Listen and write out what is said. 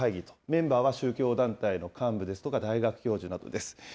メンバーは宗教団体の幹部ですとか、大学教授などです。